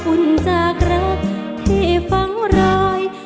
อุ่นจากรักที่ฟังรอย